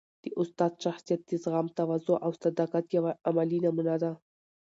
د استاد شخصیت د زغم، تواضع او صداقت یوه عملي نمونه ده.